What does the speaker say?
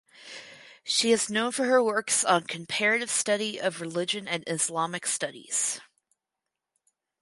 She is known for her works on comparative study of religion and Islamic studies.